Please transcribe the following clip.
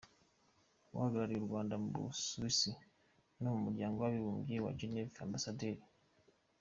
Uhagarariye u Rwanda mu Busuwisi no mu muryango w’Abibumbye i Geneve Ambasaderi Dr.